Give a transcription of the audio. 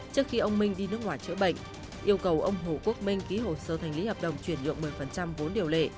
trước khi ông minh đi nước ngoài chữa bệnh yêu cầu ông hồ quốc minh ký hồ sơ hành lý hợp đồng chuyển nhượng một mươi vốn điều lệ